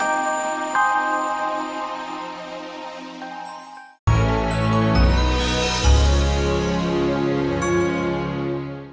terima kasih banyak banyak